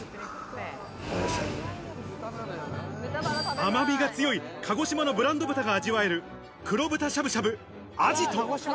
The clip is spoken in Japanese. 甘みが強い鹿児島のブランド豚が味わえる、黒豚しゃぶしゃぶあじと。